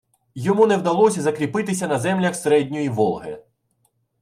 Йому не вдалося закріпитися на землях середньої Волги